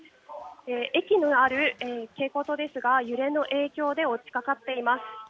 駅にある蛍光灯ですが、揺れの影響で落ちかかっています。